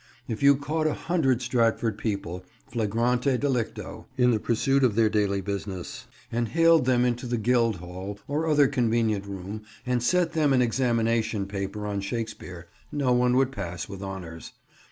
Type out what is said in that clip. If you caught a hundred Stratford people, flagrante delicto, in the pursuit of their daily business and haled them into the Guildhall or other convenient room and set them an examination paper on Shakespeare, no one would pass with honours.